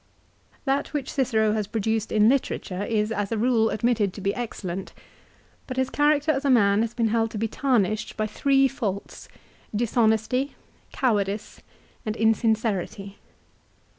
That which Cicero has produced in literature is as a rule admitted to be excellent ; but his character as a man has been held to be tarnished by three faults, dishonesty, cowardice, and insincerity.